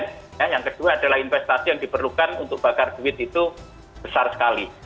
yang kedua adalah investasi yang diperlukan untuk bakar duit itu besar sekali